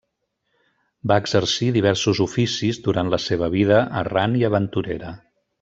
Va exercir diversos oficis durant la seva vida, errant i aventurera.